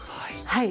はい。